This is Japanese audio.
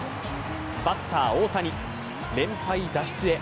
バッター・大谷、連敗脱出へ。